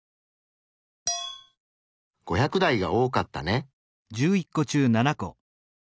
５００台が多かったね。